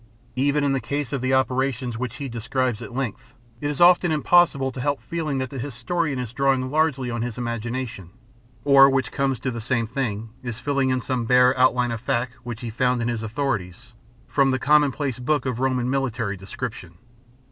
Even in the case of the opera tions which he describes at length, it is often impossible to help feeling that the historian is drawing largely on his imagination, or, which comes to the same thing, is filling in some bare outline of fact, which he found in his authorities, from the commonplace book of Roman military description.